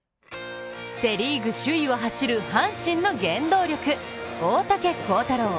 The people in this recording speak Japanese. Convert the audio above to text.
セ・リーグ首位を走る阪神の原動力、大竹耕太郎。